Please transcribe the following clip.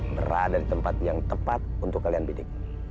berada di tempat yang tepat untuk kalian bidik